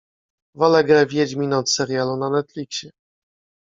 Wolę grę Wiedźmin od serialu na Netflixie.